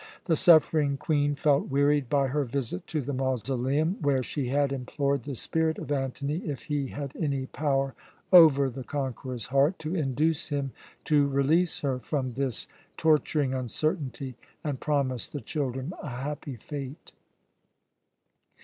The suffering Queen felt wearied by her visit to the mausoleum, where she had implored the spirit of Antony, if he had any power over the conqueror's heart, to induce him to release her from this torturing uncertainty and promise the children a happy fate.